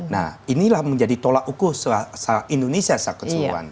nah inilah menjadi tolak ukur indonesia secara keseluruhan